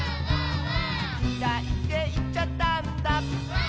「きらいっていっちゃったんだ」